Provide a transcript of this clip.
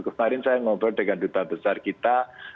kemarin saya ngobrol dengan duta besar kita